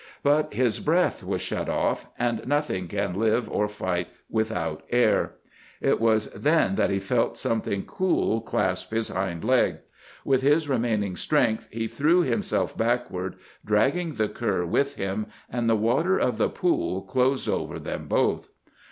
But his breath was shut off, and nothing can live or fight without air. It was then that he felt something cool clasp his hind leg. With his remaining strength he threw himself backward, dragging the cur with him, and the water of the pool closed over them both.